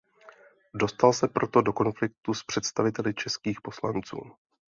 Dostal se proto do konfliktu s představiteli českých poslanců.